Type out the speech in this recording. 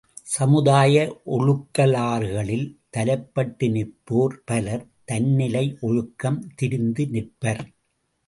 சமுதாய ஒழுகலாறுகளில் தலைப்பட்டு நிற்போர் பலர் தன்னிலை ஒழுக்கம் திரிந்து நிற்பர்.